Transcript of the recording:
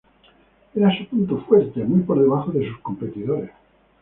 Era su punto fuerte, muy por debajo de sus competidores.